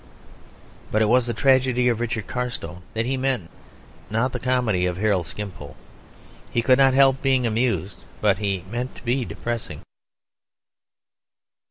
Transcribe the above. But it was the tragedy of Richard Carstone that he meant, not the comedy of Harold Skimpole. He could not help being amusing; but he meant to be depressing.